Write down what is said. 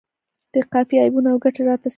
د قافیې عیبونه او ګټې راته څیړي.